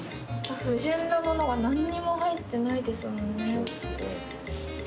不純なものが何にも入ってないですもんね。